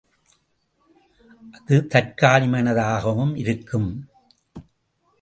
அது தற்காலிகமானதாகவும் இருக்கலாம்.